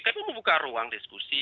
tapi membuka ruang diskusi